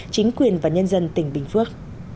chính quyền và nhân dân tỉnh bình phước